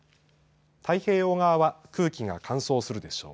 太平洋側は空気が乾燥するでしょう。